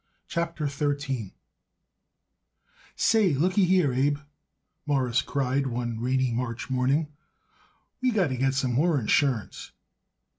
CHAPTER XIII "Say, looky here, Abe," Morris cried one rainy March morning, "we got to get some more insurance."